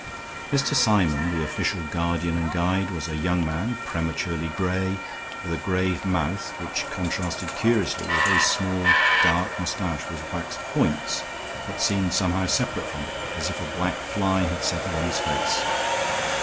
Mr. Symon, the official guardian and guide, was a young man, prematurely gray, with a grave mouth which contrasted curiously with a very small, dark mustache with waxed points, that seemed somehow, separate from it, as if a black fly had settled on his face.